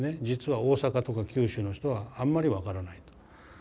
実は大阪とか九州の人はあんまり分からないと。